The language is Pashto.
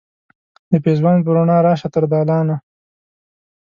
د پیزوان په روڼا راشه تر دالانه